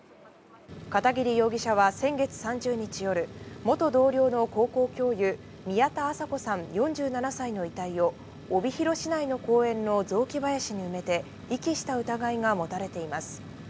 片桐容疑者は先月３０日夜、元同僚の高校教諭、宮田麻子さん４７歳の遺体を、帯広市内の公園の雑木林に埋めて、遺棄した疑いが持たれています。